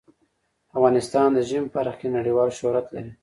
افغانستان د ژمی په برخه کې نړیوال شهرت لري.